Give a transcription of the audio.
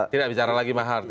tidak bicara lagi mahar